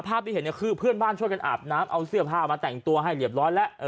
ที่เห็นเนี่ยคือเพื่อนบ้านช่วยกันอาบน้ำเอาเสื้อผ้ามาแต่งตัวให้เรียบร้อยแล้ว